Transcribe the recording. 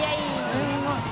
すごい。